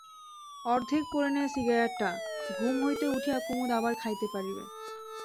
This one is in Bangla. অর্ধেকও পোড়ে নাই সিগারেটটা, ঘুম হইতে উঠিয়া কুমুদ আবার খাইতে পরিবে।